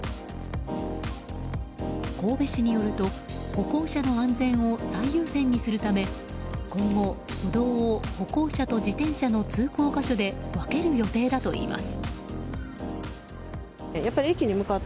神戸市によると歩行者の安全を最優先にするため今後、歩道を歩行者と自転車の通行箇所で分ける予定だといいます。